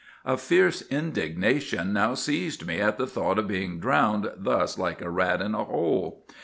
"A fierce indignation now seized me at the thought of being drowned thus like a rat in a hole.